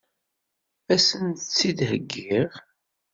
Ad sent-tt-id-heggiɣ?